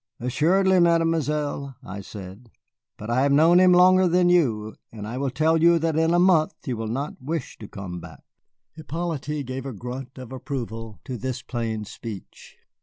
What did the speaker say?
"Assuredly, Mademoiselle," I said, "but I have known him longer than you, and I tell you that in a month he will not wish to come back." Hippolyte gave a grunt of approval to this plain speech.